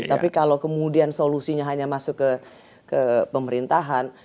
tapi kalau kemudian solusinya hanya masuk ke pemerintahan